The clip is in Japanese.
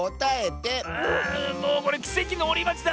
あもうこれきせきのおりまちだ。